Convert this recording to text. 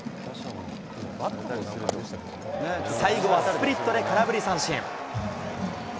最後はスプリットで空振り三振。